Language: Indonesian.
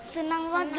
senang banget juga